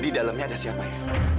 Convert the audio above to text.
didalamnya ada siapa ya